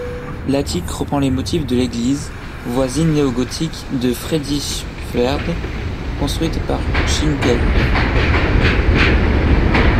L'attique reprend les motifs de l'église voisine néogothique de Friedrichswerder, construite par Schinkel.